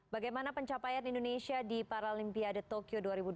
bagaimana pencapaian indonesia di paralimpiade tokyo dua ribu dua puluh